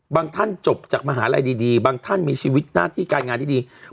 ท่านจบจากมหาลัยดีบางท่านมีชีวิตหน้าที่การงานที่ดี